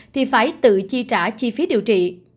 thì phải tự chi trả chi phí điều trị